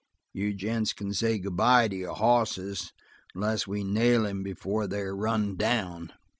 You gents can say good bye to your hosses unless we nail him before they're run down."